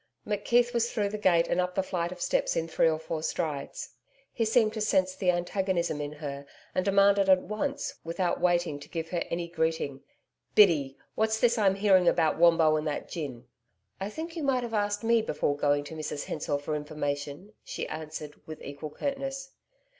McKeith was through the gate and up the flight of steps in three or four strides. He seemed to sense the antagonism in her, and demanded at once, without waiting to give her any greeting. 'Biddy, what's this I'm hearing about Wombo and that gin?' 'I think you might have asked me before going to Mrs Hensor for information,' she answered with equal curtness.